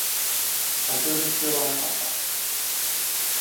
立ち寄る必要はなかった